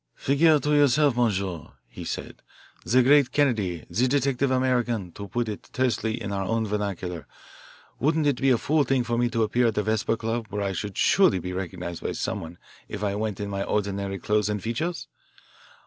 "Figure to yourself, monsieur," he said. "Ze great Kennedy, ze detectif Americain to put it tersely in our own vernacular, wouldn't it be a fool thing for me to appear at the Vesper Club where I should surely be recognised by someone if I went in my ordinary clothes and features?